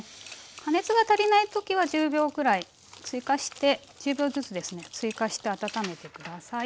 加熱が足りない時は１０秒くらい追加して１０秒ずつですね追加して温めて下さい。